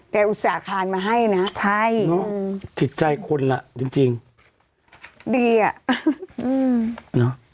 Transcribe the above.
แต่อุตส่าห์คลานมาให้นะใช่อืมจิตใจคุณล่ะจริงจริงดีอ่ะอืม